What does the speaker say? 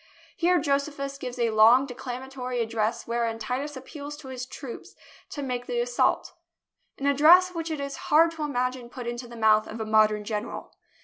Here Josephus gives a long declamatory address wherein Titus appeals to his troops to make the assault — an address which it is hard to imagine put into the mouth of a modern general.